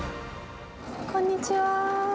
こんにちは。